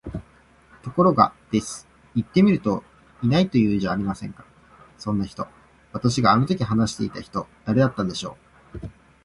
ところが、です。行ってみると居ないと言うじゃありませんか、そんな人。私があの時話していた人、誰だったんでしょう？